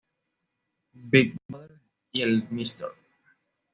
Big Brother" y el "Mr.